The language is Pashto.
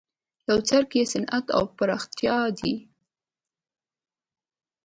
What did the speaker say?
یو څرک یې صنعت او پراختیا ده.